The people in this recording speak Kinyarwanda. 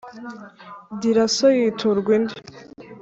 gira so yiturwa indi.